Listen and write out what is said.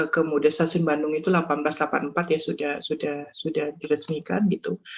kemudian stasiun bandung itu seribu delapan ratus delapan puluh empat ya sudah diresmikan gitu